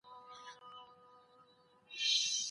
د بدن بوی د چاپېریال سره تړاو لري.